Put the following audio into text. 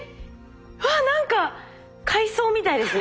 うわ何か海藻みたいですね。